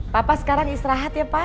papa sekarang istirahat ya pak